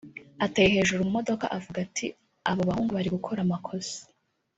ateye hejuru mu modoka avuga ati "Aba bahungu bari gukora amakosa